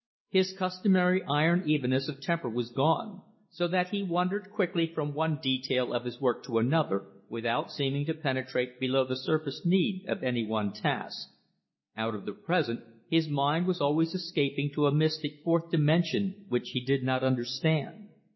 His customary iron evenness of temper was gone, so that he wandered quickly from one detail of his work to another, without seeming to penetrate below the surface need of any one task. Out of the present his mind was always escaping to a mystic fourth dimension which he did not understand.